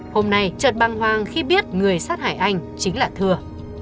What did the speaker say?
hôm nay trợt băng hoang khi biết người sát hại anh chính là thưa